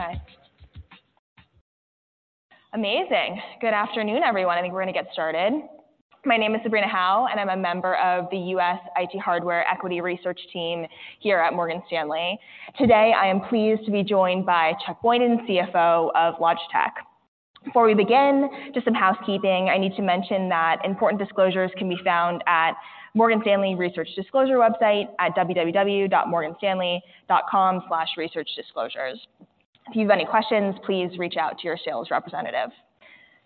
Hi. Amazing. Good afternoon, everyone. I think we're gonna get started. My name is Sabrina Hao, and I'm a member of the U.S. IT Hardware Equity Research Team here at Morgan Stanley. Today, I am pleased to be joined by Chuck Boynton, CFO of Logitech. Before we begin, just some housekeeping. I need to mention that important disclosures can be found at Morgan Stanley Research Disclosure website at www.morganstanley.com/researchdisclosures. If you have any questions, please reach out to your sales representative.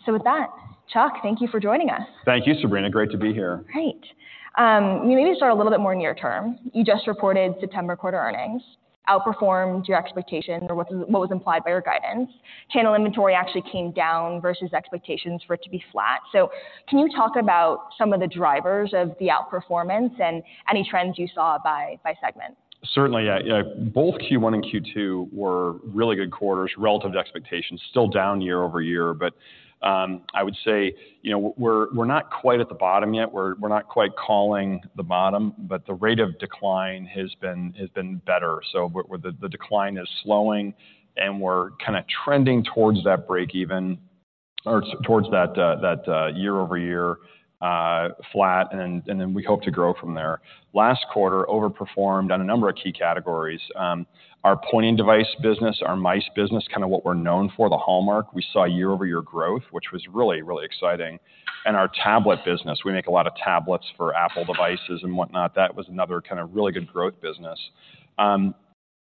So with that, Chuck, thank you for joining us. Thank you, Sabrina. Great to be here. Great. Maybe start a little bit more near term. You just reported September quarter earnings, outperformed your expectations or what was implied by your guidance. Channel inventory actually came down versus expectations for it to be flat. So can you talk about some of the drivers of the outperformance and any trends you saw by segment? Certainly, yeah. Yeah, both Q1 and Q2 were really good quarters relative to expectations, still down year-over-year. But I would say, you know, we're, we're not quite at the bottom yet. We're, we're not quite calling the bottom, but the rate of decline has been better. So but the decline is slowing and we're kinda trending towards that break even or towards that year-over-year flat, and then we hope to grow from there. Last quarter overperformed on a number of key categories. Our pointing device business, our mice business, kinda what we're known for, the hallmark, we saw year-over-year growth, which was really, really exciting. And our tablet business, we make a lot of tablets for Apple devices and whatnot. That was another kind of really good growth business.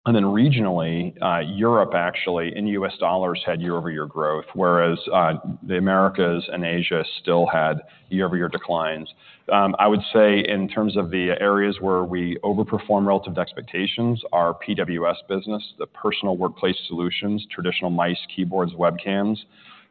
And then regionally, Europe, actually, in U.S. dollars, had year-over-year growth, whereas the Americas and Asia still had year-over-year declines. I would say in terms of the areas where we overperformed relative to expectations, our PWS business, the Personal Workspace Solutions, traditional mice, keyboards, webcams,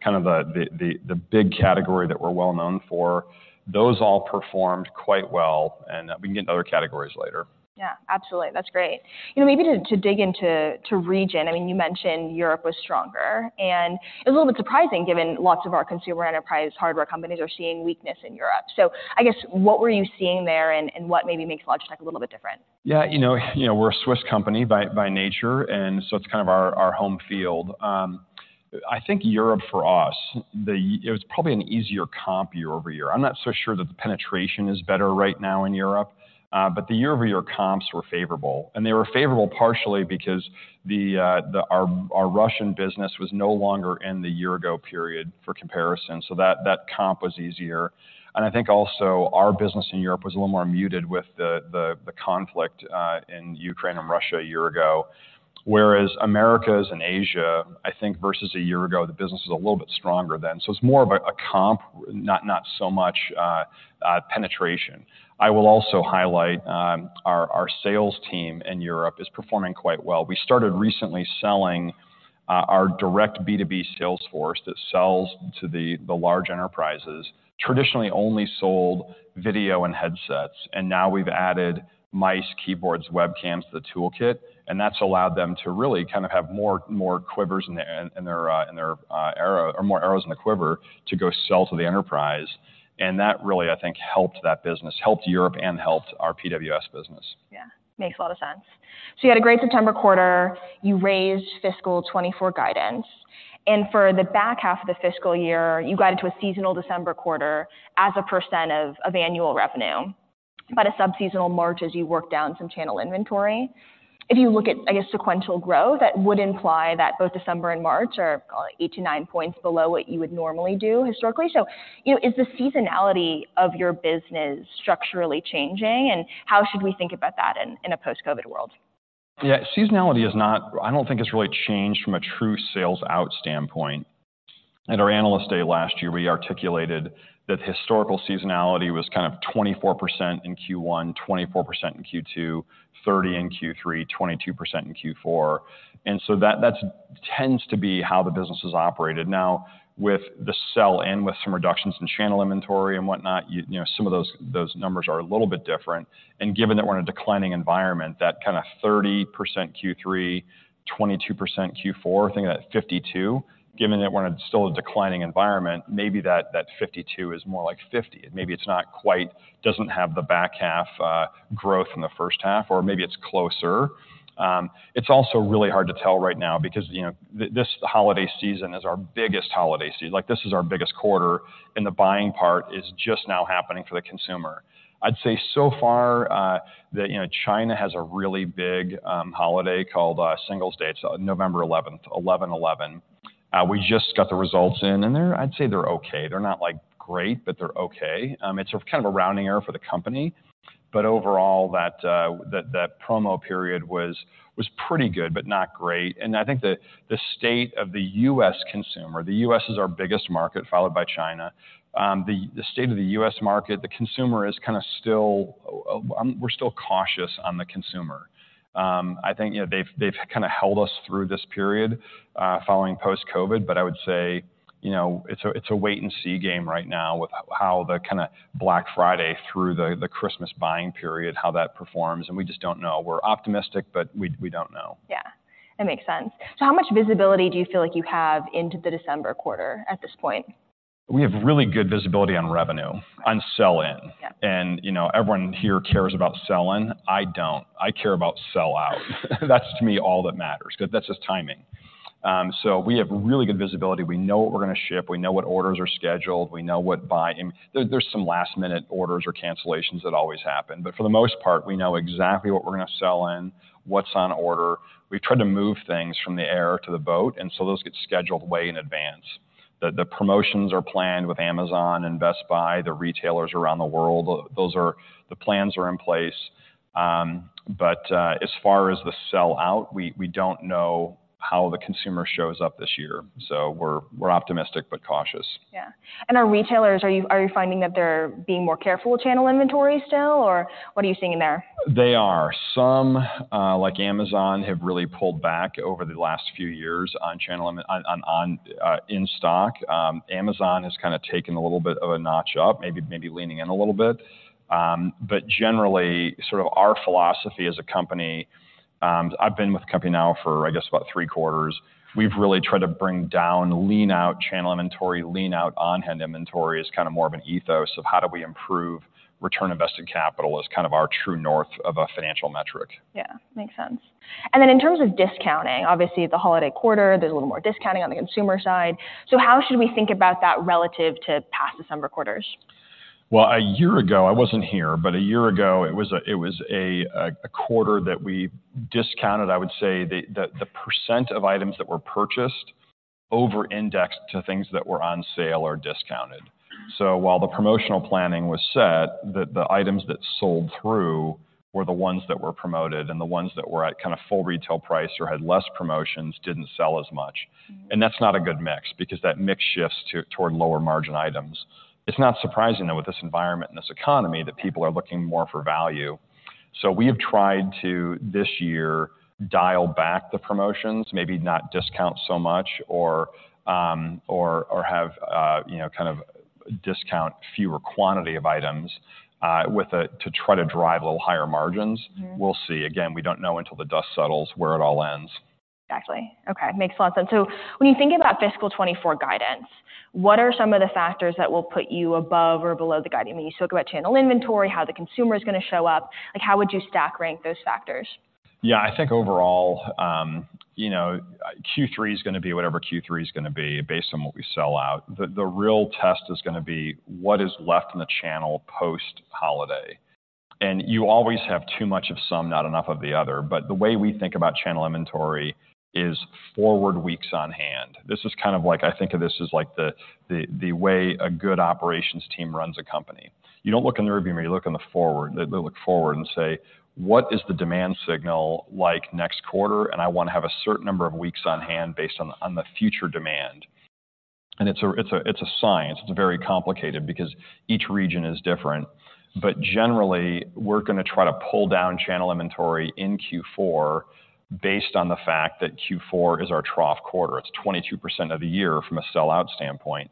kind of the big category that we're well known for, those all performed quite well, and we can get into other categories later. Yeah, absolutely. That's great. You know, maybe to dig into the region. I mean, you mentioned Europe was stronger, and a little bit surprising given lots of our consumer enterprise hardware companies are seeing weakness in Europe. So I guess, what were you seeing there and what maybe makes Logitech a little bit different? Yeah, you know, you know, we're a Swiss company by nature, and so it's kind of our home field. I think Europe for us, it was probably an easier comp year-over-year. I'm not so sure that the penetration is better right now in Europe, but the year-over-year comps were favorable, and they were favorable partially because the our Russian business was no longer in the year ago period for comparison, so that comp was easier. And I think also our business in Europe was a little more muted with the conflict in Ukraine and Russia a year ago, whereas Americas and Asia, I think versus a year ago, the business is a little bit stronger then. So it's more of a comp, not so much penetration. I will also highlight our sales team in Europe is performing quite well. We started recently selling our direct B2B sales force that sells to the large enterprises. Traditionally only sold video and headsets, and now we've added mice, keyboards, webcams to the toolkit, and that's allowed them to really kind of have more quivers in their arrow or more arrows in the quiver to go sell to the enterprise, and that really, I think, helped that business, helped Europe and helped our PWS business. Yeah, makes a lot of sense. So you had a great September quarter. You raised fiscal 2024 guidance, and for the back half of the fiscal year, you got into a seasonal December quarter as a % of annual revenue, but a subseasonal March as you worked down some channel inventory. If you look at, I guess, sequential growth, that would imply that both December and March are eight to nine points below what you would normally do historically. So, you know, is the seasonality of your business structurally changing, and how should we think about that in a post-COVID world? Yeah, seasonality is not... I don't think it's really changed from a true sell-out standpoint. At our Analyst Day last year, we articulated that historical seasonality was kind of 24% in Q1, 24% in Q2, 30% in Q3, 22% in Q4. And so that, that tends to be how the business is operated. Now, with the sell-in and with some reductions in channel inventory and whatnot, you know, some of those, those numbers are a little bit different. And given that we're in a declining environment, that kind of 30% Q3, 22% Q4, I think that 52, given that we're in still a declining environment, maybe that, that 52 is more like 50. Maybe it's not quite—doesn't have the back half, growth in the first half, or maybe it's closer. It's also really hard to tell right now because, you know, this holiday season is our biggest holiday season. Like, this is our biggest quarter, and the buying part is just now happening for the consumer. I'd say so far, that, you know, China has a really big holiday called Singles' Day. It's on November eleventh, 11.11. We just got the results in, and they're. I'd say they're okay. They're not, like, great, but they're okay. It's kind of a rounding error for the company, but overall, that, that promo period was pretty good, but not great. And I think the state of the U.S. consumer, the U.S. is our biggest market, followed by China. The state of the U.S. market, the consumer is kinda still, we're still cautious on the consumer. I think, you know, they've kinda held us through this period following post-COVID, but I would say, you know, it's a wait-and-see game right now with how the kinda Black Friday through the Christmas buying period how that performs, and we just don't know. We're optimistic, but we don't know. Yeah, it makes sense. So how much visibility do you feel like you have into the December quarter at this point? ... We have really good visibility on revenue, Right. - on sell-in. Yeah. You know, everyone here cares about sell-in. I don't. I care about sell-out. That's, to me, all that matters because that's just timing. So we have really good visibility. We know what we're gonna ship, we know what orders are scheduled, we know what sell-in. There's some last-minute orders or cancellations that always happen. But for the most part, we know exactly what we're gonna sell-in, what's on order. We've tried to move things from the air to the boat, and so those get scheduled way in advance. The promotions are planned with Amazon and Best Buy, the retailers around the world. Those are the plans in place. But as far as the sell-out, we don't know how the consumer shows up this year, so we're optimistic but cautious. Yeah. And our retailers, are you, are you finding that they're being more careful with channel inventory still, or what are you seeing in there? They are. Some, like Amazon, have really pulled back over the last few years on channel inventory on in stock. Amazon has kind of taken a little bit of a notch up, maybe, maybe leaning in a little bit. But generally, sort of our philosophy as a company, I've been with the company now for, I guess, about three quarters. We've really tried to bring down, lean out channel inventory, lean out on-hand inventory as kind of more of an ethos of how do we improve return on invested capital as kind of our true north of a financial metric. Yeah, makes sense. And then in terms of discounting, obviously, the holiday quarter, there's a little more discounting on the consumer side. So how should we think about that relative to past December quarters? Well, a year ago, I wasn't here, but a year ago, it was a quarter that we discounted. I would say the percent of items that were purchased over-indexed to things that were on sale or discounted. So while the promotional planning was set, the items that sold through were the ones that were promoted, and the ones that were at kind of full retail price or had less promotions didn't sell as much. Mm-hmm. That's not a good mix because that mix shifts toward lower-margin items. It's not surprising, though, with this environment and this economy, that people are looking more for value. So we have tried to, this year, dial back the promotions, maybe not discount so much or have, you know, kind of discount fewer quantity of items, with to try to drive a little higher margins. Mm-hmm. We'll see. Again, we don't know until the dust settles where it all ends. Exactly. Okay, makes a lot of sense. So when you think about fiscal 2024 guidance, what are some of the factors that will put you above or below the guide? I mean, you spoke about channel inventory, how the consumer is gonna show up. Like, how would you stack rank those factors? Yeah, I think overall, you know, Q3 is gonna be whatever Q3 is gonna be, based on what we sell out. The real test is gonna be what is left in the channel post-holiday. And you always have too much of some, not enough of the other. But the way we think about channel inventory is forward weeks on hand. This is kind of like. I think of this as like the way a good operations team runs a company. You don't look in the rearview mirror, you look in the forward. They look forward and say: What is the demand signal like next quarter? And I want to have a certain number of weeks on hand based on the future demand. And it's a science. It's very complicated because each region is different. But generally, we're gonna try to pull down channel inventory in Q4 based on the fact that Q4 is our trough quarter. It's 22% of the year from a sell-out standpoint.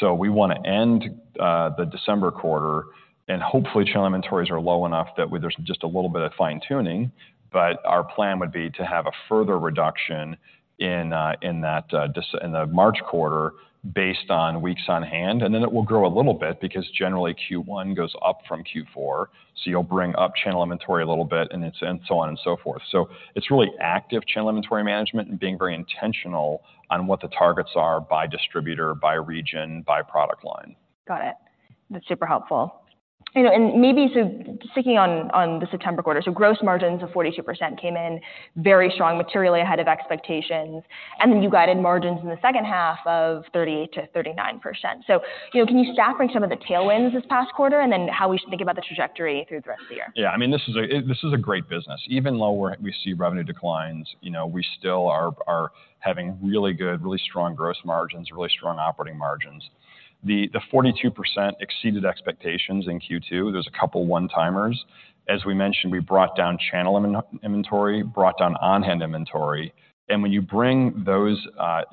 So we want to end the December quarter, and hopefully, channel inventories are low enough that we, there's just a little bit of fine-tuning, but our plan would be to have a further reduction in the March quarter based on weeks on hand, and then it will grow a little bit, because generally Q1 goes up from Q4, so you'll bring up channel inventory a little bit and it's... and so on and so forth. So it's really active channel inventory management and being very intentional on what the targets are by distributor, by region, by product line. Got it. That's super helpful. You know, and maybe so sticking on the September quarter. So gross margins of 42% came in very strong, materially ahead of expectations, and then you guided margins in the second half of 30%-39%. So, you know, can you fill in some of the tailwinds this past quarter, and then how we should think about the trajectory through the rest of the year? Yeah, I mean, this is a, this is a great business. Even though we're seeing revenue declines, you know, we still are having really good, really strong gross margins, really strong operating margins. The 42% exceeded expectations in Q2. There's a couple one-timers. As we mentioned, we brought down channel inventory, brought down on-hand inventory, and when you bring those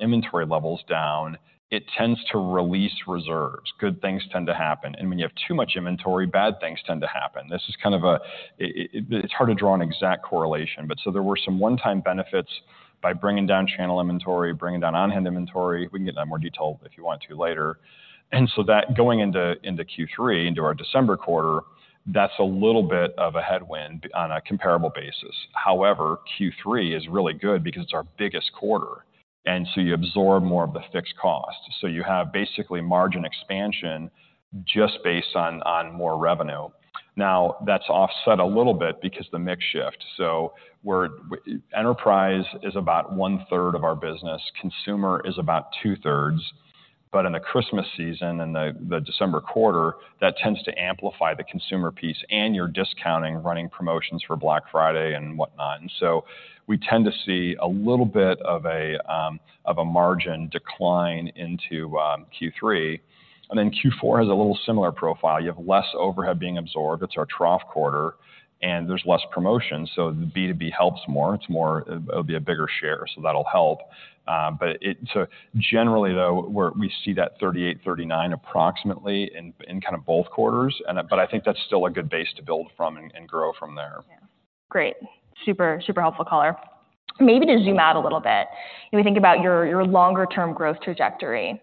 inventory levels down, it tends to release reserves. Good things tend to happen, and when you have too much inventory, bad things tend to happen. This is kind of a... It's hard to draw an exact correlation, but so there were some one-time benefits by bringing down channel inventory, bringing down on-hand inventory. We can get into more detail if you want to later. And so that going into Q3, into our December quarter, that's a little bit of a headwind on a comparable basis. However, Q3 is really good because it's our biggest quarter, and so you absorb more of the fixed cost. So you have basically margin expansion just based on more revenue. Now, that's offset a little bit because the mix shift. So where enterprise is about 1/3 of our business, consumer is about 2/3, but in the Christmas season and the December quarter, that tends to amplify the consumer piece, and you're discounting running promotions for Black Friday and whatnot. And so we tend to see a little bit of a margin decline into Q3, and then Q4 has a little similar profile. You have less overhead being absorbed, it's our trough quarter, and there's less promotion, so the B2B helps more. It's more. It'll be a bigger share, so that'll help. But it—so generally, though, we see that 38, 39 approximately in kind of both quarters, and but I think that's still a good base to build from and grow from there.... Great. Super, super helpful, caller. Maybe to zoom out a little bit, when we think about your longer term growth trajectory.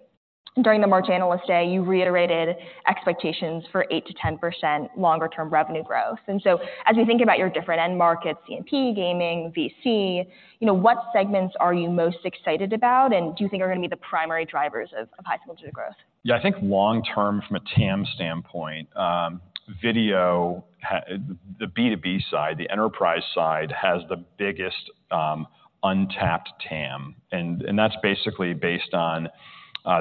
During the March analyst day, you reiterated expectations for 8%-10% longer term revenue growth. So as we think about your different end markets, C&P, gaming, VC, you know, what segments are you most excited about, and do you think are going to be the primary drivers of high single-digit growth? Yeah, I think long term, from a TAM standpoint, video, the B2B side, the enterprise side, has the biggest, untapped TAM, and that's basically based on,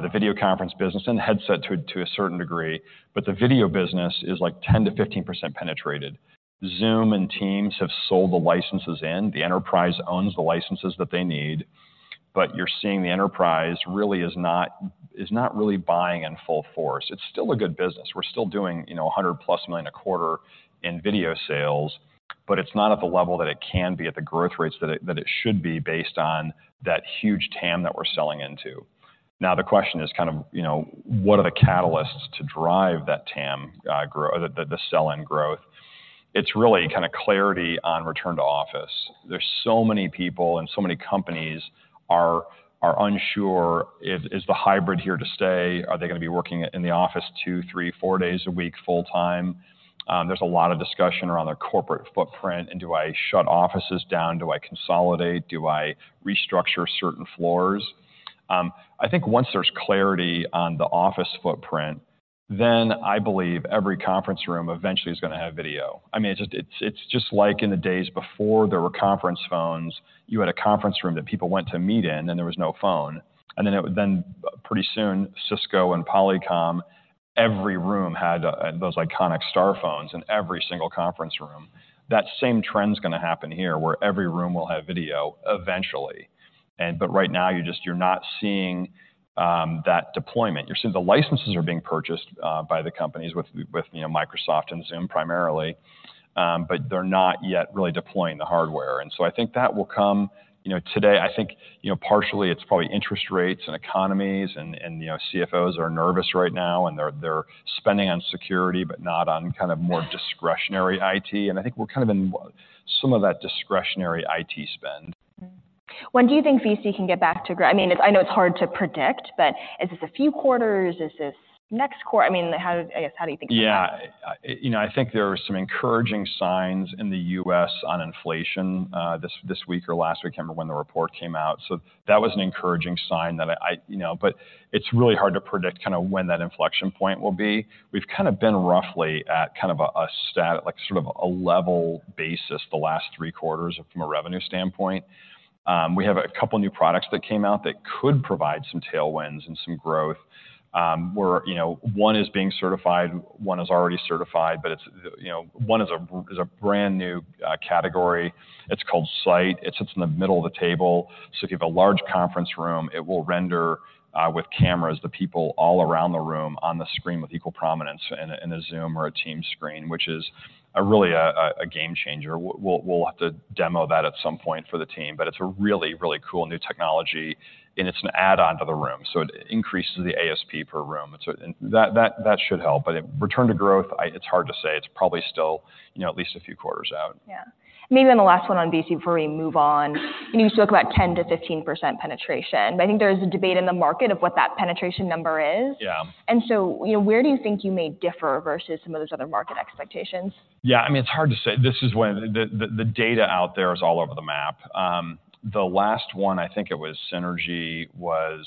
the video conference business and the headset to a certain degree. But the video business is like 10%-15% penetrated. Zoom and Teams have sold the licenses in; the enterprise owns the licenses that they need, but you're seeing the enterprise really is not really buying in full force. It's still a good business. We're still doing, you know, $100+ million a quarter in video sales, but it's not at the level that it can be, at the growth rates that it should be based on that huge TAM that we're selling into. Now, the question is kind of, you know, what are the catalysts to drive that TAM, the sell-in growth? It's really kind of clarity on return to office. There's so many people and so many companies are, are unsure if is the hybrid here to stay? Are they going to be working in the office two, three, four days a week, full-time? There's a lot of discussion around their corporate footprint and do I shut offices down? Do I consolidate? Do I restructure certain floors? I think once there's clarity on the office footprint, then I believe every conference room eventually is going to have video. I mean, it's just, it's, it's just like in the days before there were conference phones, you had a conference room that people went to meet in, and there was no phone. And then pretty soon, Cisco and Polycom, every room had those iconic star phones in every single conference room. That same trend is going to happen here, where every room will have video eventually, and but right now, you're not seeing that deployment. You're seeing the licenses are being purchased by the companies with, with, you know, Microsoft and Zoom primarily, but they're not yet really deploying the hardware. And so I think that will come. You know, today, I think, you know, partially it's probably interest rates and economies and, and, you know, CFOs are nervous right now, and they're spending on security, but not on kind of more discretionary IT. And I think we're kind of in some of that discretionary IT spend. When do you think VC can get back to growth—I mean, I know it's hard to predict, but is this a few quarters? Is this next quarter? I mean, how, I guess, how do you think about it? Yeah. You know, I think there are some encouraging signs in the U.S. on inflation, this week or last week, I remember when the report came out. So that was an encouraging sign, you know, but it's really hard to predict kind of when that inflection point will be. We've kind of been roughly at kind of a stable sort of a level basis the last three quarters from a revenue standpoint. We have a couple new products that came out that could provide some tailwinds and some growth. Where, you know, one is being certified, one is already certified, but it's, you know, one is a brand-new category. It's called Sight. It sits in the middle of the table, so if you have a large conference room, it will render with cameras the people all around the room on the screen with equal prominence in a Zoom or a Teams screen, which is really a game changer. We'll have to demo that at some point for the team, but it's a really, really cool new technology, and it's an add-on to the room, so it increases the ASP per room. So that should help. But return to growth—it's hard to say. It's probably still, you know, at least a few quarters out. Yeah. Maybe then the last one on VC before we move on. You spoke about 10%-15% penetration, but I think there is a debate in the market of what that penetration number is. Yeah. You know, where do you think you may differ versus some of those other market expectations? Yeah, I mean, it's hard to say. This is when the data out there is all over the map. The last one, I think it was Synergy, was,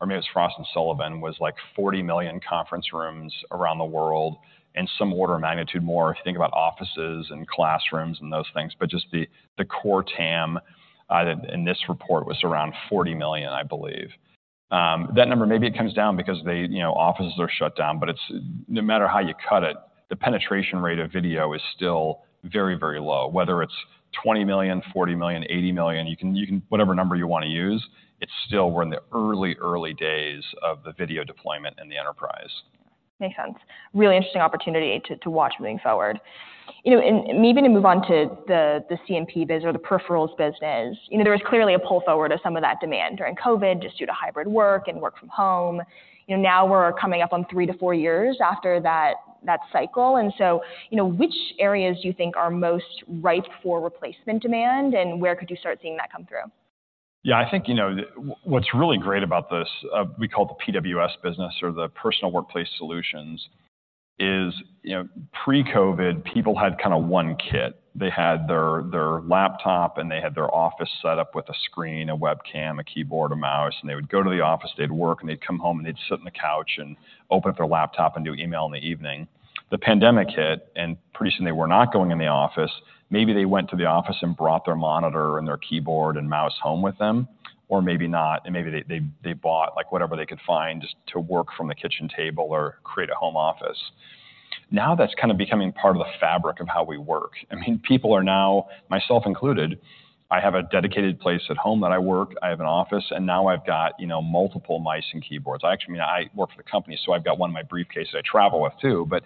or maybe it was Frost & Sullivan, was like 40 million conference rooms around the world and some order of magnitude more, if you think about offices and classrooms and those things. But just the core TAM in this report was around 40 million, I believe. That number, maybe it comes down because they, you know, offices are shut down, but it's-- no matter how you cut it, the penetration rate of video is still very, very low. Whether it's 20 million, 40 million, 80 million, you can-- whatever number you want to use, it's still we're in the early, early days of the video deployment in the enterprise. Makes sense. Really interesting opportunity to watch moving forward. You know, and maybe to move on to the C&P biz or the peripherals business. You know, there was clearly a pull forward of some of that demand during COVID, just due to hybrid work and work from home. You know, now we're coming up on three to four years after that cycle, and so, you know, which areas do you think are most ripe for replacement demand, and where could you start seeing that come through? Yeah, I think, you know, what's really great about this, we call the PWS business or the Personal Workplace Solutions, is, you know, pre-COVID, people had kind of one kit. They had their laptop, and they had their office set up with a screen, a webcam, a keyboard, a mouse, and they would go to the office, they'd work, and they'd come home, and they'd sit on the couch and open up their laptop and do email in the evening. The pandemic hit, and pretty soon they were not going in the office. Maybe they went to the office and brought their monitor and their keyboard and mouse home with them, or maybe not, and maybe they bought, like, whatever they could find just to work from the kitchen table or create a home office. Now, that's kind of becoming part of the fabric of how we work. I mean, people are now, myself included, I have a dedicated place at home that I work. I have an office, and now I've got, you know, multiple mice and keyboards. I actually, I mean, I work for the company, so I've got one in my briefcase I travel with too. But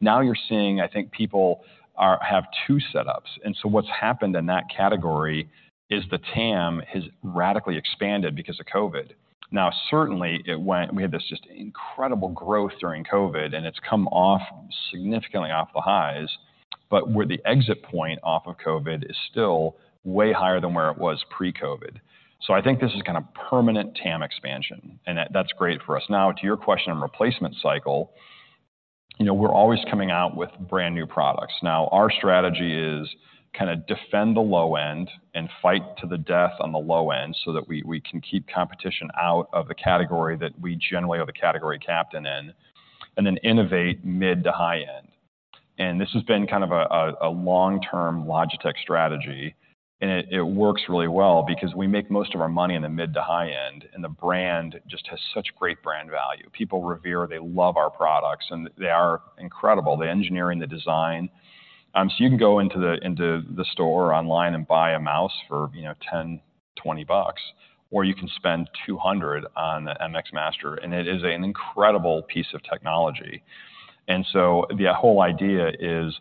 now you're seeing, I think people have two setups, and so what's happened in that category is the TAM has radically expanded because of COVID. Now, certainly, it went, we had this just incredible growth during COVID, and it's come off significantly off the highs, but where the exit point off of COVID is still way higher than where it was pre-COVID. So I think this is kind of permanent TAM expansion, and that, that's great for us. Now, to your question on replacement cycle, you know, we're always coming out with brand-new products. Now, our strategy is kind of defend the low end and fight to the death on the low end so that we can keep competition out of the category that we generally are the category captain in, and then innovate mid to high end. And this has been kind of a long-term Logitech strategy, and it works really well because we make most of our money in the mid to high end, and the brand just has such great brand value. People revere, they love our products, and they are incredible, the engineering, the design. So you can go into the store or online and buy a mouse for, you know, $10, $20, or you can spend $200 on the MX Master, and it is an incredible piece of technology. And so the whole idea is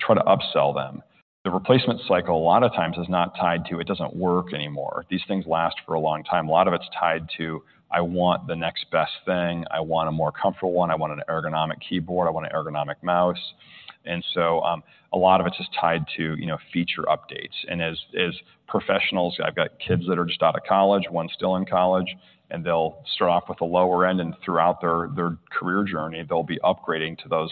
try to upsell them. The replacement cycle, a lot of times, is not tied to it doesn't work anymore. These things last for a long time. A lot of it's tied to, I want the next best thing. I want a more comfortable one. I want an ergonomic keyboard. I want an ergonomic mouse. And so, a lot of it's just tied to, you know, feature updates. And as, as professionals, I've got kids that are just out of college, one still in college, and they'll start off with the lower end, and throughout their, their career journey, they'll be upgrading to those,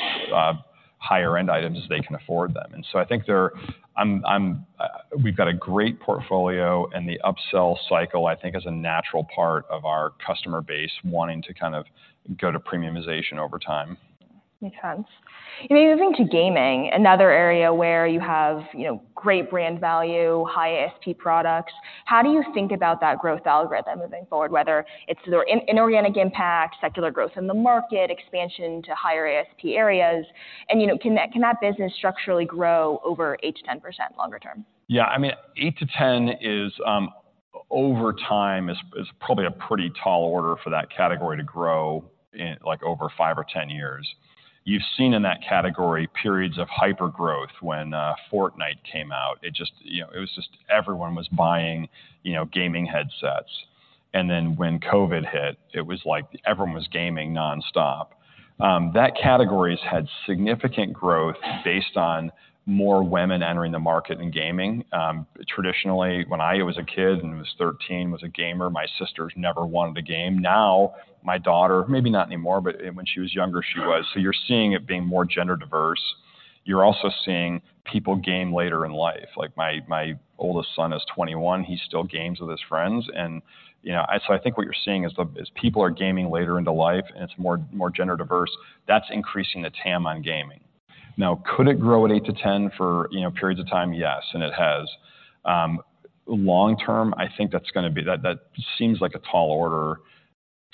higher-end items as they can afford them. And so I think they're-- I'm, I'm... We've got a great portfolio, and the upsell cycle, I think, is a natural part of our customer base, wanting to kind of go to premiumization over time. Makes sense. You know, moving to gaming, another area where you have, you know, great brand value, high ASP products, how do you think about that growth algorithm moving forward, whether it's through inorganic impact, secular growth in the market, expansion to higher ASP areas? And, you know, can that business structurally grow over 8%-10% longer term? Yeah. I mean, eight to 10 is over time probably a pretty tall order for that category to grow in, like, over five or 10 years. You've seen in that category periods of hypergrowth when Fortnite came out. It just, you know, it was just everyone was buying, you know, gaming headsets. And then when COVID hit, it was like everyone was gaming nonstop. That category's had significant growth based on more women entering the market in gaming. Traditionally, when I was a kid and was 13, was a gamer, my sisters never wanted to game. Now, my daughter, maybe not anymore, but when she was younger, she was. So you're seeing it being more gender diverse. You're also seeing people game later in life. Like, my oldest son is 21, he still games with his friends. You know, so I think what you're seeing is the people are gaming later into life, and it's more gender diverse. That's increasing the TAM on gaming. Now, could it grow at 8-10 for, you know, periods of time? Yes, and it has. Long term, I think that's gonna be that seems like a tall order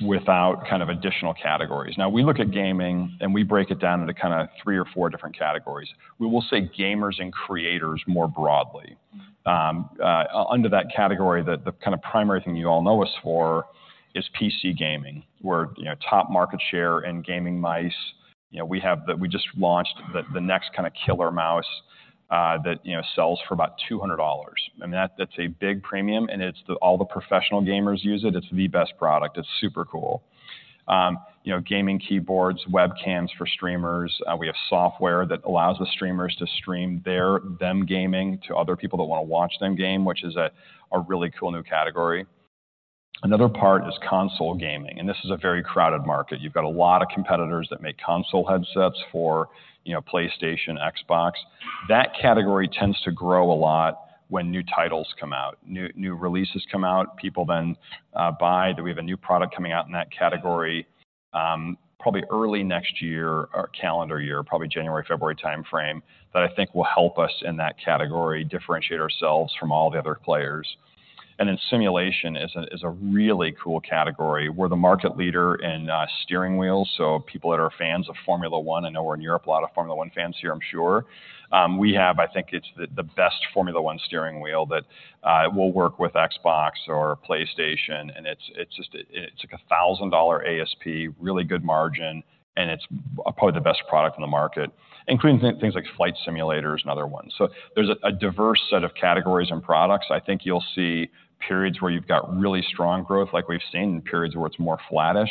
without kind of additional categories. Now, we look at gaming, and we break it down into kind of three or four different categories. We will say gamers and creators more broadly. Under that category, the kind of primary thing you all know us for is PC gaming. We're, you know, top market share in gaming mice. You know, we have the we just launched the next kind of killer mouse, that, you know, sells for about $200. That, that's a big premium, and it's the all the professional gamers use it. It's the best product. It's super cool. You know, gaming keyboards, webcams for streamers, we have software that allows the streamers to stream their gaming to other people that want to watch them game, which is a really cool new category. Another part is console gaming, and this is a very crowded market. You've got a lot of competitors that make console headsets for, you know, PlayStation, Xbox. That category tends to grow a lot when new titles come out. New releases come out, people then buy. We have a new product coming out in that category, probably early next year or calendar year, probably January, February timeframe, that I think will help us in that category, differentiate ourselves from all the other players. Simulation is a really cool category. We're the market leader in steering wheels, so people that are fans of Formula One. I know we're in Europe, a lot of Formula One fans here, I'm sure. We have, I think it's the best Formula One steering wheel that will work with Xbox or PlayStation, and it's just a $1,000 ASP, really good margin, and it's probably the best product on the market, including things like flight simulators and other ones. So there's a diverse set of categories and products. I think you'll see periods where you've got really strong growth, like we've seen, and periods where it's more flattish.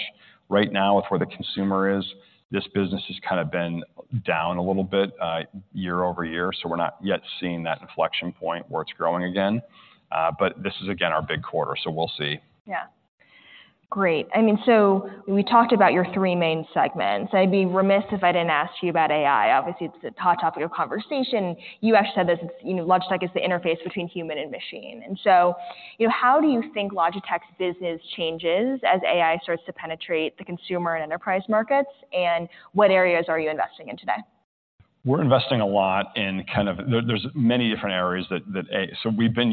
Right now, with where the consumer is, this business has kind of been down a little bit, year-over-year, so we're not yet seeing that inflection point where it's growing again. But this is again, our big quarter, so we'll see. Yeah. Great. I mean, so we talked about your three main segments. I'd be remiss if I didn't ask you about AI. Obviously, it's a hot topic of conversation. You actually said this, you know, Logitech is the interface between human and machine. And so, you know, how do you think Logitech's business changes as AI starts to penetrate the consumer and enterprise markets, and what areas are you investing in today? So we've been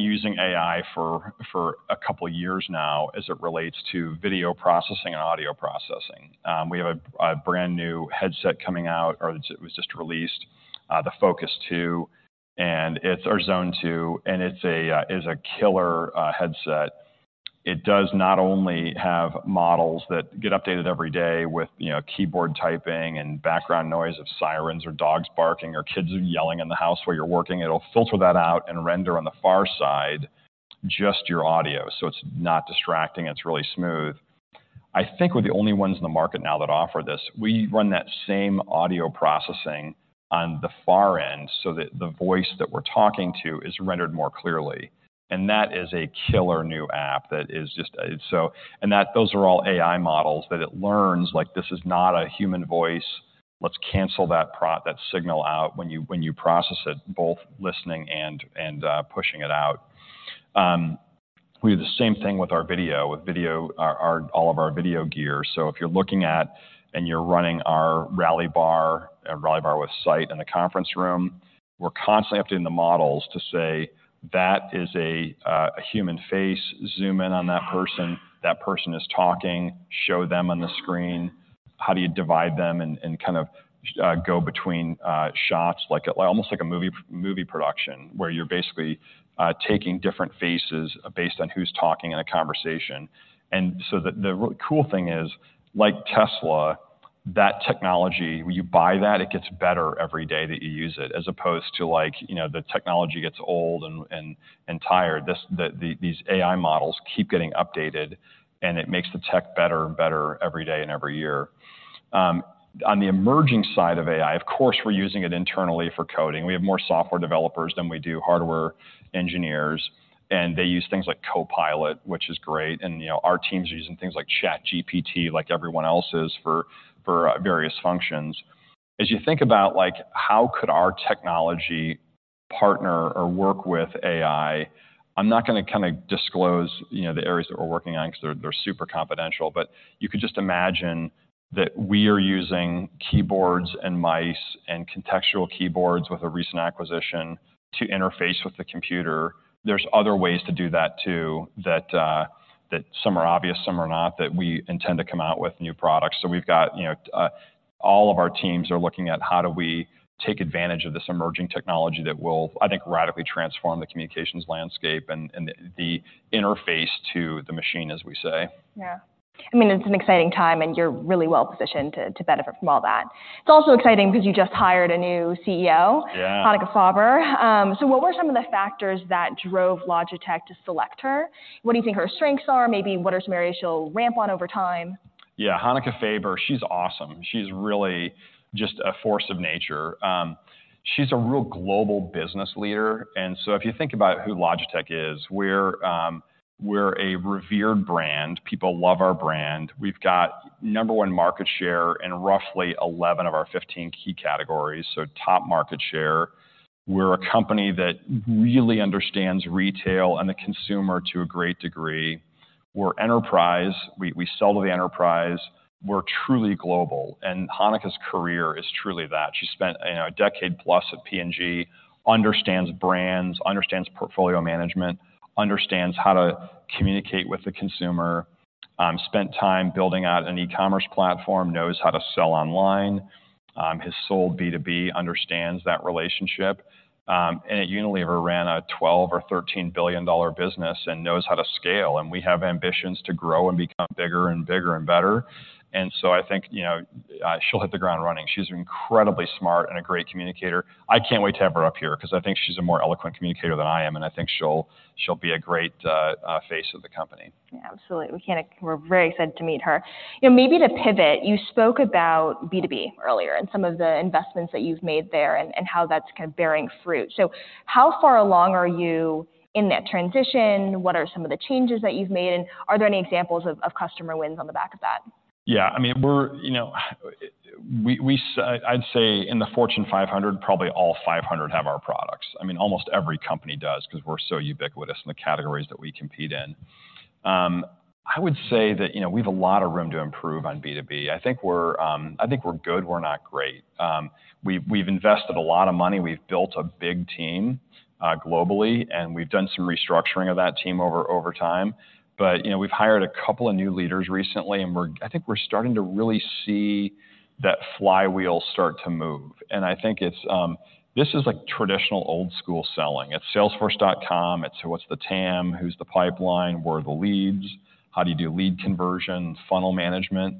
using AI for a couple of years now as it relates to video processing and audio processing. We have a brand-new headset coming out, the Zone 2, and it's a killer headset. It does not only have models that get updated every day with, you know, keyboard typing and background noise of sirens or dogs barking or kids yelling in the house while you're working. It'll filter that out and render on the far side, just your audio, so it's not distracting, it's really smooth. I think we're the only ones in the market now that offer this. We run that same audio processing on the far end so that the voice that we're talking to is rendered more clearly. And that is a killer new app that those are all AI models, that it learns, like, this is not a human voice, let's cancel that signal out when you, when you process it, both listening and, and, pushing it out. We do the same thing with our video, all of our video gear. So if you're looking at and you're running our Rally Bar, a Rally Bar with Sight in a conference room, we're constantly updating the models to say, "That is a human face. Zoom in on that person. That person is talking. Show them on the screen." How do you divide them and kind of go between shots, like almost like a movie production, where you're basically taking different faces based on who's talking in a conversation? And so the cool thing is, like Tesla, that technology, when you buy that, it gets better every day that you use it, as opposed to, like, you know, the technology gets old and tired. These AI models keep getting updated, and it makes the tech better and better every day and every year. On the emerging side of AI, of course, we're using it internally for coding. We have more software developers than we do hardware engineers, and they use things like Copilot, which is great, and, you know, our teams are using things like ChatGPT, like everyone else's, for various functions. As you think about, like, how could our technology partner or work with AI, I'm not gonna kinda disclose, you know, the areas that we're working on because they're super confidential, but you could just imagine that we are using keyboards, and mice, and contextual keyboards with a recent acquisition to interface with the computer. There's other ways to do that too, that some are obvious, some are not, that we intend to come out with new products. So we've got, you know, all of our teams are looking at how do we take advantage of this emerging technology that will, I think, radically transform the communications landscape and the interface to the machine, as we say. Yeah. I mean, it's an exciting time, and you're really well positioned to benefit from all that. It's also exciting because you just hired a new CEO, Yeah. Hanneke Faber. So what were some of the factors that drove Logitech to select her? What do you think her strengths are? Maybe what are some areas she'll ramp on over time? Yeah, Hanneke Faber, she's awesome. She's really just a force of nature. She's a real global business leader, and so if you think about who Logitech is, we're, we're a revered brand. People love our brand. We've got number one market share in roughly 11 of our 15 key categories, so top market share. We're a company that really understands retail and the consumer to a great degree. We're enterprise. We, we sell to the enterprise. We're truly global, and Hanneke's career is truly that. She spent, you know, a decade plus at P&G, understands brands, understands portfolio management, understands how to communicate with the consumer, spent time building out an e-commerce platform, knows how to sell online, has sold B2B, understands that relationship, and at Unilever, ran a $12 billion or $13 billion business and knows how to scale, and we have ambitions to grow and become bigger, and bigger, and better. And so I think, you know, she'll hit the ground running. She's incredibly smart and a great communicator. I can't wait to have her up here because I think she's a more eloquent communicator than I am, and I think she'll, she'll be a great face of the company. Yeah, absolutely. We can't-- We're very excited to meet her. You know, maybe to pivot, you spoke about B2B earlier and some of the investments that you've made there and, and how that's kind of bearing fruit. So how far along are you in that transition? What are some of the changes that you've made, and are there any examples of, of customer wins on the back of that? Yeah, I mean, we're... You know, I'd say in the Fortune 500, probably all 500 have our products. I mean, almost every company does because we're so ubiquitous in the categories that we compete in. I would say that, you know, we have a lot of room to improve on B2B. I think we're, I think we're good, we're not great. We've invested a lot of money. We've built a big team globally, and we've done some restructuring of that team over time. But, you know, we've hired a couple of new leaders recently, and we're, I think we're starting to really see that flywheel start to move. And I think it's, this is like traditional old-school selling. It's Salesforce.com. It's what's the TAM? Who's the pipeline? Where are the leads? How do you do lead conversion, funnel management?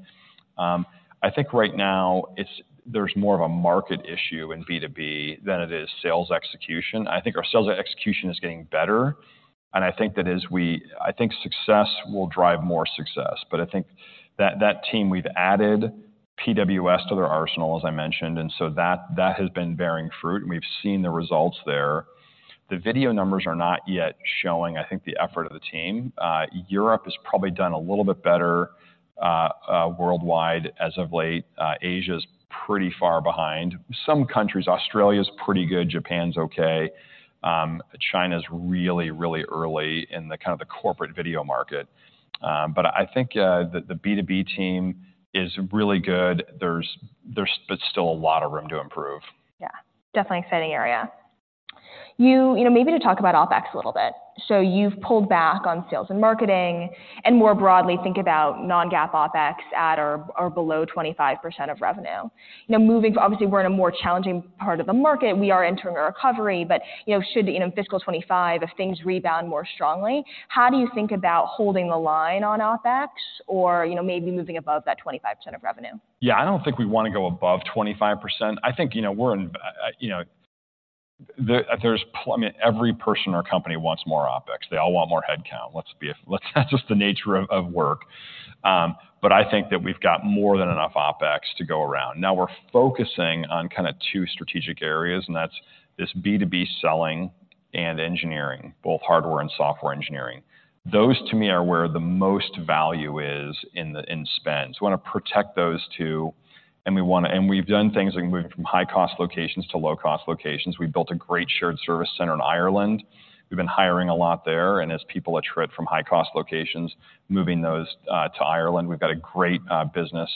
I think right now, it's, there's more of a market issue in B2B than it is sales execution. I think our sales execution is getting better, and I think that as we, I think success will drive more success. But I think that, that team, we've added PWS to their arsenal, as I mentioned, and so that, that has been bearing fruit, and we've seen the results there. The video numbers are not yet showing, I think, the effort of the team. Europe has probably done a little bit better, worldwide as of late. Asia's pretty far behind. Some countries, Australia's pretty good, Japan's okay. China's really, really early in the kind of the corporate video market. But I think the B2B team is really good. There's but still a lot of room to improve. Yeah, definitely an exciting area. You know, maybe to talk about OpEx a little bit. So you've pulled back on sales and marketing, and more broadly, think about non-GAAP OpEx at or below 25% of revenue. You know, moving obviously, we're in a more challenging part of the market. We are entering a recovery, but you know, in fiscal 2025, if things rebound more strongly, how do you think about holding the line on OpEx or you know, maybe moving above that 25% of revenue? Yeah, I don't think we want to go above 25%. I think, you know, we're in, I mean, every person or company wants more OpEx. They all want more headcount. That's just the nature of work. But I think that we've got more than enough OpEx to go around. Now, we're focusing on kind of two strategic areas, and that's this B2B selling and engineering, both hardware and software engineering. Those, to me, are where the most value is in the spend. So we want to protect those two, and we wanna and we've done things like moved from high-cost locations to low-cost locations. We've built a great shared service center in Ireland. We've been hiring a lot there, and as people attrit from high-cost locations, moving those to Ireland. We've got a great business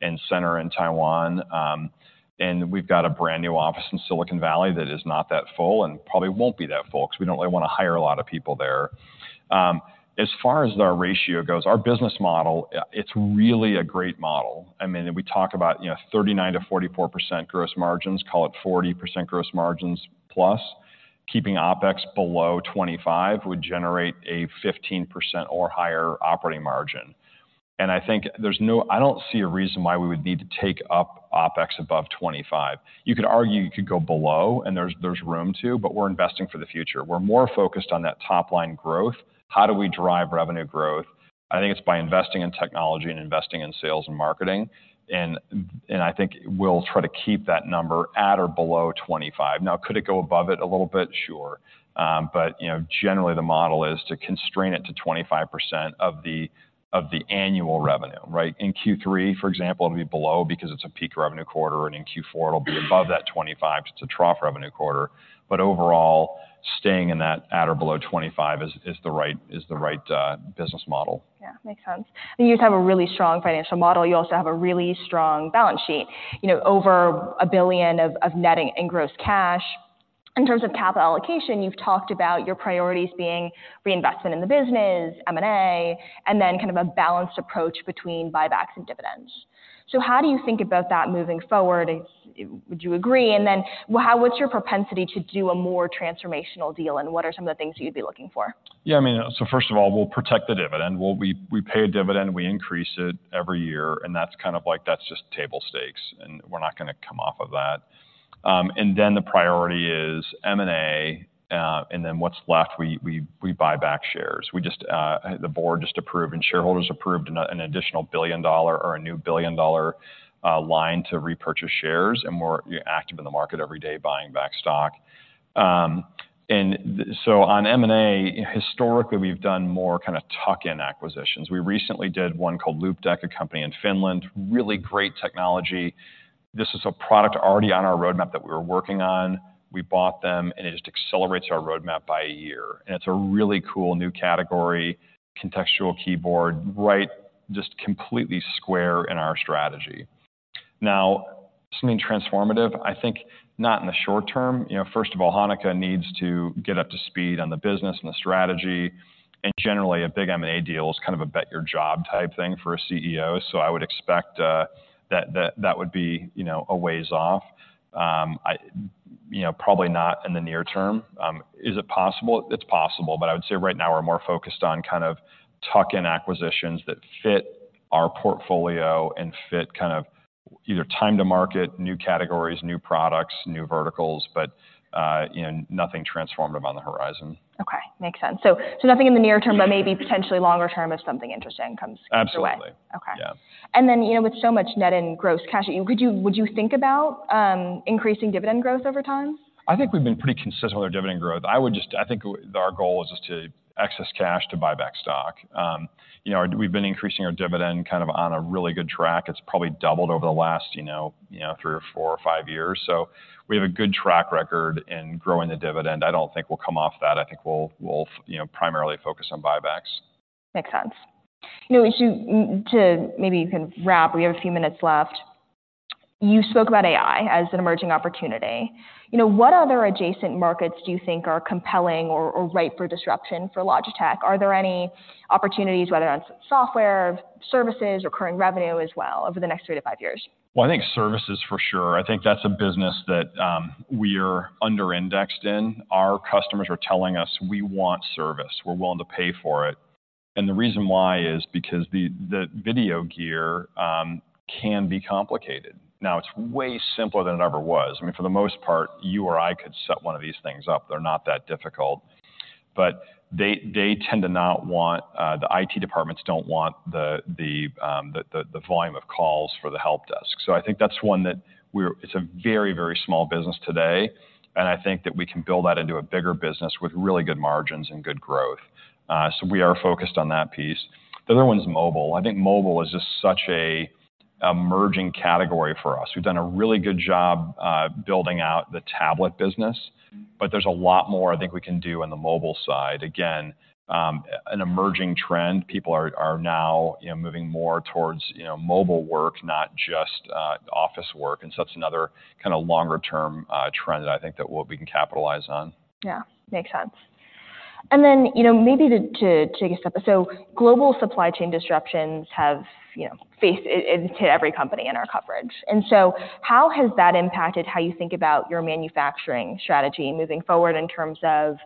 and center in Taiwan, and we've got a brand-new office in Silicon Valley that is not that full and probably won't be that full because we don't really want to hire a lot of people there. As far as our ratio goes, our business model, it's really a great model. I mean, if we talk about, you know, 39%-44% gross margins, call it 40% gross margins plus, keeping OpEx below 25 would generate a 15% or higher operating margin. And I think I don't see a reason why we would need to take up OpEx above 25. You could argue you could go below, and there's room to, but we're investing for the future. We're more focused on that top-line growth. How do we drive revenue growth? I think it's by investing in technology and investing in sales and marketing, and, and I think we'll try to keep that number at or below 25. Now, could it go above it a little bit? Sure. But, you know, generally, the model is to constrain it to 25% of the, of the annual revenue, right? In Q3, for example, it'll be below because it's a peak revenue quarter, and in Q4, it'll be above that 25 because it's a trough revenue quarter. But overall, staying in that at or below 25 is, is the right, is the right, business model. Yeah, makes sense. You have a really strong financial model. You also have a really strong balance sheet, you know, over $1 billion of net and gross cash. In terms of capital allocation, you've talked about your priorities being reinvestment in the business, M&A, and then kind of a balanced approach between buybacks and dividends. So how do you think about that moving forward? Would you agree? And then, how, what's your propensity to do a more transformational deal, and what are some of the things you'd be looking for? Yeah, I mean, so first of all, we'll protect the dividend. We'll pay a dividend, we increase it every year, and that's kind of like, that's just table stakes, and we're not gonna come off of that. And then the priority is M&A, and then what's left, we buy back shares. We just, the board just approved and shareholders approved an additional $1 billion or a new $1 billion line to repurchase shares, and we're active in the market every day buying back stock. And so on M&A, historically, we've done more kind of tuck-in acquisitions. We recently did one called Loupedeck, a company in Finland. Really great technology. This is a product already on our roadmap that we were working on. We bought them, and it just accelerates our roadmap by a year. And it's a really cool new category, contextual keyboard, right, just completely square in our strategy. Now, something transformative, I think not in the short term. You know, first of all, Hanneke needs to get up to speed on the business and the strategy, and generally, a big M&A deal is kind of a bet your job type thing for a CEO. So I would expect that would be, you know, a ways off. You know, probably not in the near term. Is it possible? It's possible, but I would say right now we're more focused on kind of tuck-in acquisitions that fit our portfolio and fit kind of either time to market, new categories, new products, new verticals, but, you know, nothing transformative on the horizon. Okay. Makes sense. So, nothing in the near term, but maybe potentially longer term, if something interesting comes your way. Absolutely. Okay. Yeah. And then, you know, with so much net and gross cash, would you, would you think about increasing dividend growth over time? I think we've been pretty consistent with our dividend growth. I would just—I think our goal is just to use excess cash to buy back stock. You know, we've been increasing our dividend kind of on a really good track. It's probably doubled over the last, you know, three or four or five years. So we have a good track record in growing the dividend. I don't think we'll come off that. I think we'll, you know, primarily focus on buybacks. Makes sense. You know, to maybe you can wrap, we have a few minutes left. You spoke about AI as an emerging opportunity. You know, what other adjacent markets do you think are compelling or ripe for disruption for Logitech? Are there any opportunities, whether that's software, services, recurring revenue as well over the next three to five years? Well, I think services for sure. I think that's a business that we are under-indexed in. Our customers are telling us: "We want service. We're willing to pay for it." And the reason why is because the video gear can be complicated. Now, it's way simpler than it ever was. I mean, for the most part, you or I could set one of these things up. They're not that difficult, but the IT departments don't want the volume of calls for the help desk. So I think that's one that we're. It's a very, very small business today, and I think that we can build that into a bigger business with really good margins and good growth. So we are focused on that piece. The other one is mobile. I think mobile is just such a merging category for us. We've done a really good job building out the tablet business, but there's a lot more I think we can do on the mobile side. Again, an emerging trend. People are now, you know, moving more towards, you know, mobile work, not just office work, and so that's another kind of longer-term trend that I think that we'll we can capitalize on. Yeah, makes sense. And then, you know, maybe to get a step... So global supply chain disruptions have, you know, faced in every company in our coverage. And so how has that impacted how you think about your manufacturing strategy moving forward in terms of,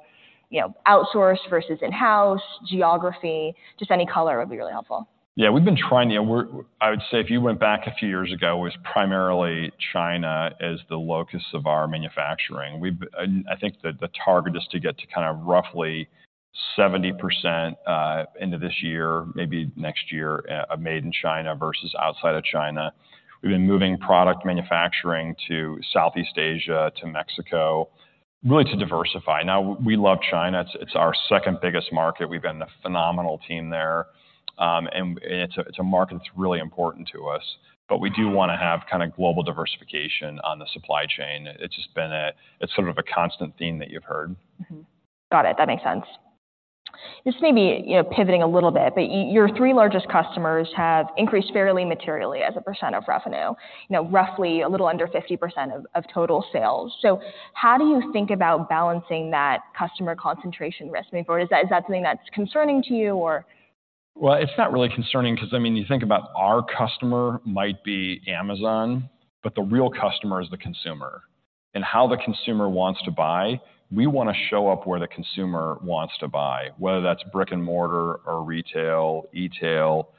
you know, outsourced versus in-house, geography, just any color would be really helpful. Yeah, we've been trying, you know, we're. I would say if you went back a few years ago, it was primarily China as the locus of our manufacturing. We've. I think that the target is to get to kind of roughly 70% end of this year, maybe next year, of made in China versus outside of China. We've been moving product manufacturing to Southeast Asia, to Mexico, really to diversify. Now, we love China. It's our second biggest market. We've got a phenomenal team there, and it's a market that's really important to us. But we do want to have kind of global diversification on the supply chain. It's just been a. It's sort of a constant theme that you've heard. Mm-hmm. Got it. That makes sense. This may be, you know, pivoting a little bit, but your three largest customers have increased fairly materially as a percent of revenue, you know, roughly a little under 50% of total sales. So how do you think about balancing that customer concentration risk moving forward? Is that something that's concerning to you or? Well, it's not really concerning because, I mean, you think about our customer might be Amazon, but the real customer is the consumer. And how the consumer wants to buy, we wanna show up where the consumer wants to buy, whether that's brick-and-mortar or retail, e-tail.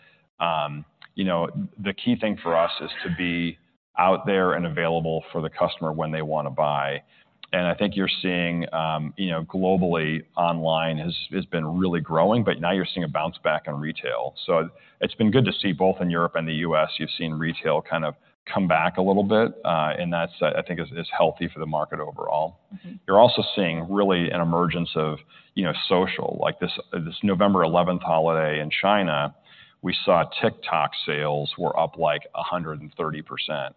You know, the key thing for us is to be out there and available for the customer when they want to buy. And I think you're seeing, you know, globally, online has, has been really growing, but now you're seeing a bounce back in retail. So it's been good to see both in Europe and the U.S., you've seen retail kind of come back a little bit, and that's, I think, is, is healthy for the market overall. Mm-hmm. You're also seeing really an emergence of, you know, social. Like this November eleventh holiday in China, we saw TikTok sales were up like 130%.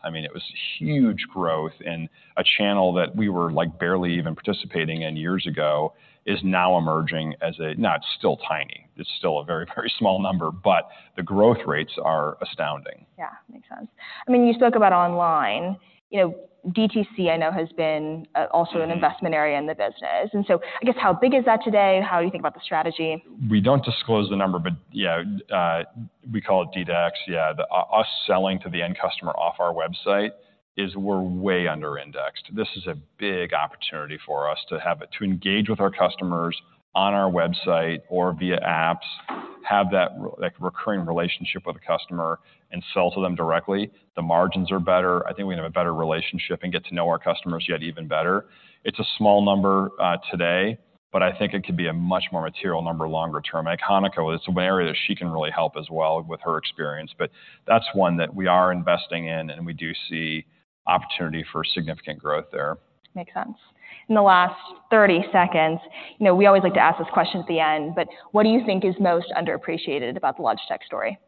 I mean, it was huge growth, and a channel that we were, like, barely even participating in years ago is now emerging as a. Now, it's still tiny. It's still a very, very small number, but the growth rates are astounding. Yeah, makes sense. I mean, you spoke about online. You know, DTC, I know, has been, also- Mm-hmm... an investment area in the business. And so I guess, how big is that today? How do you think about the strategy? We don't disclose the number, but yeah, we call it DTX. Yeah, us selling to the end customer off our website is we're way under indexed. This is a big opportunity for us to engage with our customers on our website or via apps, have that recurring relationship with the customer and sell to them directly. The margins are better. I think we have a better relationship and get to know our customers yet even better. It's a small number today, but I think it could be a much more material number longer term. I think Hanneke, it's an area that she can really help as well with her experience, but that's one that we are investing in, and we do see opportunity for significant growth there. Makes sense. In the last 30 seconds, you know, we always like to ask this question at the end, but what do you think is most underappreciated about the Logitech story?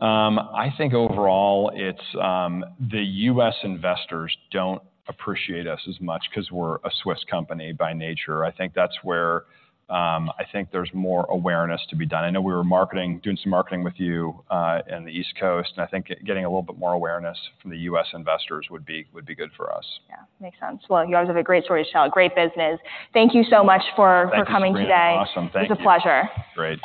I think overall, it's the US investors don't appreciate us as much 'cause we're a Swiss company by nature. I think that's where I think there's more awareness to be done. I know we were doing some marketing with you in the East Coast, and I think getting a little bit more awareness from the US investors would be good for us. Yeah, makes sense. Well, you guys have a great story to tell, great business. Thank you so much for- Thank you, Sabrina. for coming today. Awesome. Thank you. It's a pleasure. Great.